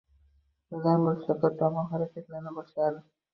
Birdan bo’shliqqa tomon harakatlana boshladi.